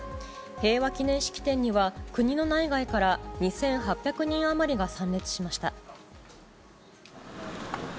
平和記念式典には国の内外から２８００人余りが参列しました。